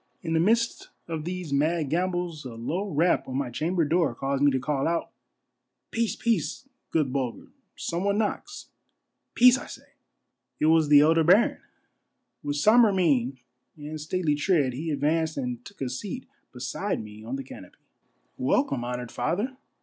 In the midst of these mad gambols a low rap on my chamber door caused me to call out, —" Peace, peace, good Bulger, some one knocks. Peace, I A MARVELLOUS UNDERGROUND JOURNEY 5 It was the elder baron. With sombre mien and stately tread he advanced and took a seat beside me on the canopy. " Welcome, honored father